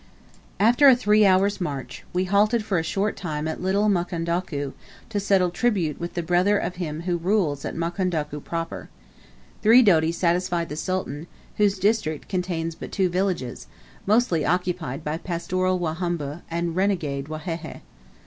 After a three hours' march, we halted for a short time at Little Mukondoku, to settle tribute with the brother of him who rules at Mukondoku Proper. Three doti satisfied the Sultan, whose district contains but two villages, mostly occupied by pastoral Wahumba and renegade Wahehe.